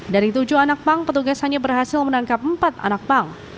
dari tujuh anak pang petugas hanya berhasil menangkap empat anak pang